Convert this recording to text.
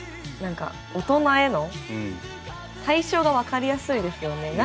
何か大人への対象が分かりやすいですよね。